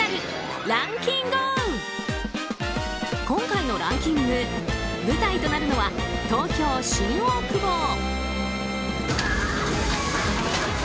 今回のランキング舞台となるのは東京・新大久保。